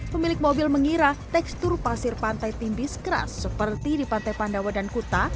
pemilik mobil mengira tekstur pasir pantai timbis keras seperti di pantai pandawa dan kuta